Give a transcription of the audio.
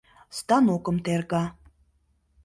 станокым терга.